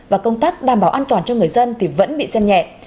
và công tác đảm bảo an toàn cho người dân thì vẫn bị xem nhẹ